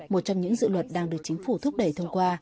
một trong những dự luật đang được chính phủ thúc đẩy thông qua